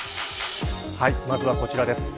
まずはこちらです。